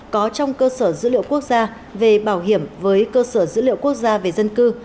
có trong cơ sở dữ liệu quốc gia về bảo hiểm với cơ sở dữ liệu quốc gia về dân cư